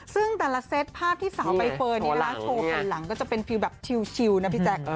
ซึ่งแต่ละเซตภาพที่สาวใบเฟิร์นโชว์หันหลังก็จะเป็นฟิลแบบชิวนะพี่แจ๊ค